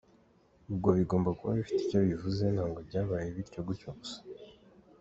Ubwo bigomba kuba bifite icyo bivuze, ntabwo byabaye bityo gutyo gusa.